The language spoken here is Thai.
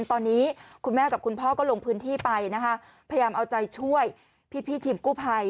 ตอนนี้คุณแม่กับคุณพ่อก็ลงพื้นที่ไปนะคะพยายามเอาใจช่วยพี่ทีมกู้ภัย